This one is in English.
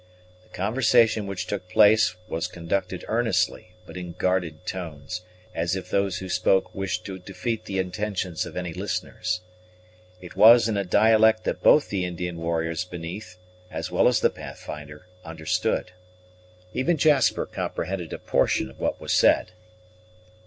The conversation which took place was conducted earnestly, but in guarded tones, as if those who spoke wished to defeat the intentions of any listeners. It was in a dialect that both the Indian warriors beneath, as well as the Pathfinder, understood. Even Jasper comprehended a portion of what was said.